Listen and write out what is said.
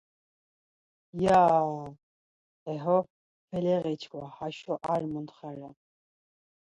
Yaaa... E ho, Feleği çkva haşo ar muntxa ren.